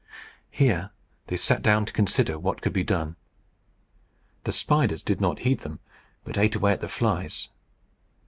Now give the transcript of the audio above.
Here they sat down to consider what could be done. The spiders did not heed them, but ate away at the flies.